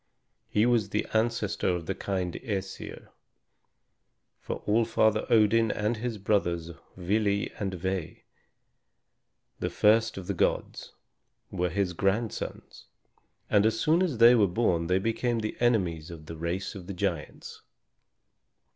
He was the ancestor of the kind Æsir; for All Father Odin and his brothers Vili and Ve, the first of the gods, were his grandsons, and as soon as they were born they became the enemies of the race of giants.